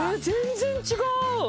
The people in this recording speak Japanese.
全然違う！